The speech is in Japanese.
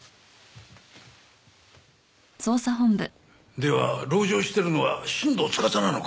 では籠城してるのは新堂司なのか？